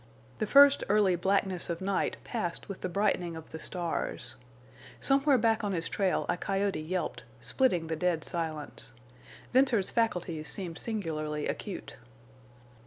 The first early blackness of night passed with the brightening of the stars. Somewhere back on his trail a coyote yelped, splitting the dead silence. Venters's faculties seemed singularly acute.